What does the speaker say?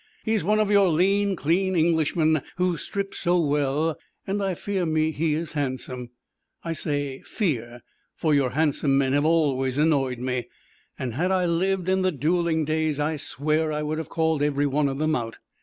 He is one of your lean, clean Englishmen, who strip so well, and I fear me he is handsome; I say fear, for your handsome men have always annoyed me, and had I lived in the duelling days I swear I would have called every one of them out.